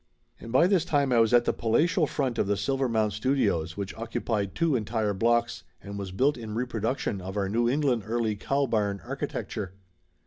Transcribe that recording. And by this time I was at the palatial front of the Silvermount Studios, which occupied two entire blocks, and was built in reproduction of our New England Early cow barn architecture.